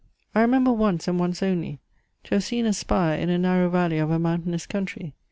I remember once, and once only, to have seen a spire in a narrow valley of a mountainous country.